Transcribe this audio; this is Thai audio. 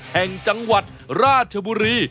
แห่งจังหวัดราชบุรี